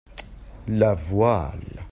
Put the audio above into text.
La voile.